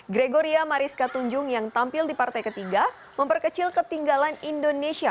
gregoria mariska tunjung yang tampil di partai ketiga memperkecil ketinggalan indonesia